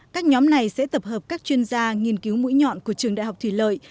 các nhóm này sẽ tập hợp các chuyên gia nghiên cứu mũi nhọn của trường đại học thủy lợi